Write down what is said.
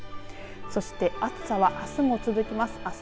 そして暑さは、あすも続きます。